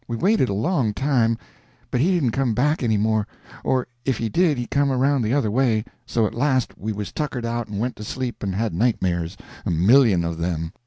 We waited a long time, but he didn't come back any more, or if he did he come around the other way; so at last we was tuckered out and went to sleep and had nightmares, a million of them.